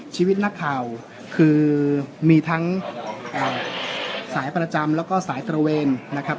ชีวิตนักข่าวคือมีทั้งสายประจำแล้วก็สายตระเวนนะครับ